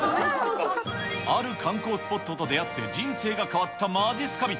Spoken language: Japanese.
ある観光スポットと出会って人生が変わったまじっすか人。